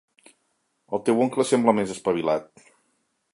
El teu oncle sembla més espavilat.